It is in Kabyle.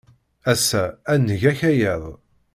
Ass-a, ad neg akayad.